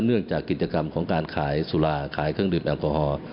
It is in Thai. เนื่องจากกิจกรรมของการขายสุราขายเครื่องดื่มแอลกอฮอล์